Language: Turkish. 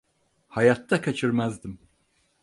Hayatta kaçırmazdım.